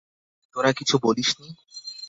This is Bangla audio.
তোরা কিছু বলিস নি?